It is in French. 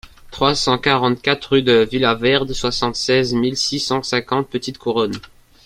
trois cent quarante-quatre rue de Vila Verde, soixante-seize mille six cent cinquante Petit-Couronne